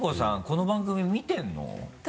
この番組見てるの？